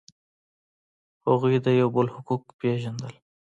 هغوی د یو بل حقوق پیژندل.